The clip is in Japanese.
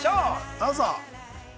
どうぞ。